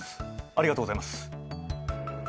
ありがとうございます。